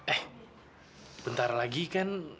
eh bentar lagi kan